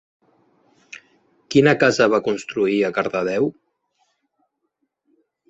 Quina casa va construir a Cardedeu?